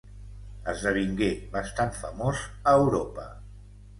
Esdevingué bastant famós a Europa.